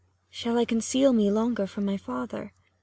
100 Shall I conceal me longer from my father